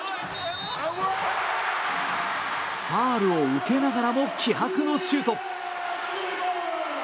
ファウルを受けながらも気迫のシュート。